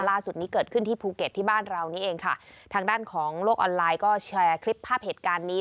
ล่าสุดนี้เกิดขึ้นที่ภูเก็ตที่บ้านเรานี่เองค่ะทางด้านของโลกออนไลน์ก็แชร์คลิปภาพเหตุการณ์นี้